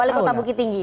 wali kota bukit tinggi